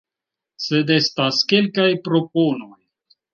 Sed estas kelkaj proponoj;